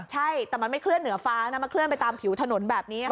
ใช่แต่มันไม่เคลื่อนเหนือฟ้านะมันเคลื่อนไปตามผิวถนนแบบนี้